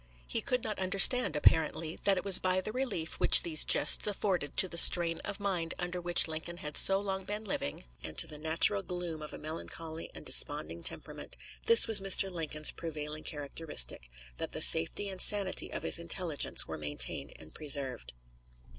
He could not understand, apparently, that it was by the relief which these jests afforded to the strain of mind under which Lincoln had so long been living, and to the natural gloom of a melancholy and desponding temperament this was Mr. Lincoln's prevailing characteristic that the safety and sanity of his intelligence were maintained and preserved.